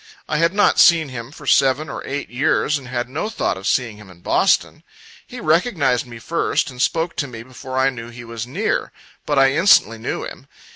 I had not seen him for seven or eight years, and had no thought of seeing him in Boston. He recognized me first, and spoke to me before I knew he was near; but I instantly knew him.